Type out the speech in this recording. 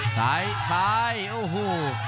ซ้ายซ้ายโอ้โห